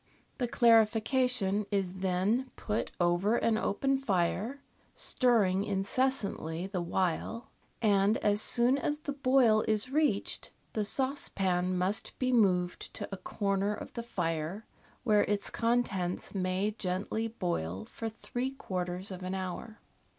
The clarification is then put over an open fire (stirring incessantly the while), and as soon as the boil is reached the saucepan must be moved to a corner of the fire, where its contents niay gently boil for three quarters of an hour.